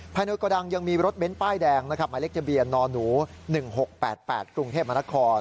ภายในกดังยังมีรถเบ้นต์ป้ายแดงหมายเลขจำเบียนนหนู๑๖๘๘กรุงเทพมค